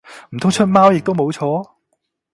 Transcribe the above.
唔通出貓亦都冇錯？